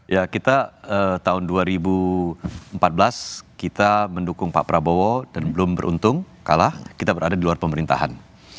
ya kita tahun dua ribu empat belas kita mendukung pak prabowo dan belum beruntung kalah kita berada di luar pemerintahan